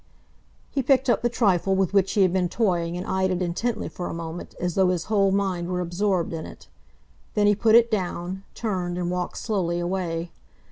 He picked up the trifle with which he had been toying and eyed it intently for a moment, as though his whole mind were absorbed in it. Then he put it down, turned, and walked slowly away.